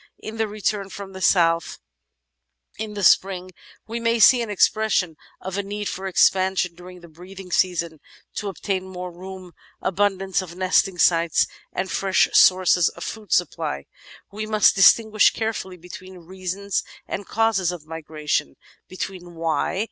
In the return from the south in the spring we may see an expression of a need for expansion during the breeding season — to obtain more room, abundance of nesting sites, and fresh sources of food supply. We must distinguish carefully between reasons and causes of migration — ^between "why?"